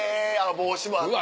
帽子もあって。